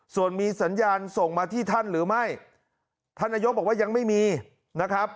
ส่วนมีสัญญาณส่งมาที่ท่านหรือไม่ท่านนายกบอกว่ายังไม่มีนะครับ